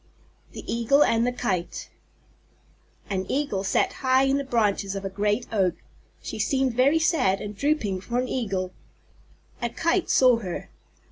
_ THE EAGLE AND THE KITE An Eagle sat high in the branches of a great Oak. She seemed very sad and drooping for an Eagle. A Kite saw her.